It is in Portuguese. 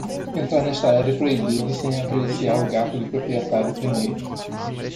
Entrar nessa área é proibido sem acariciar o gato do proprietário primeiro.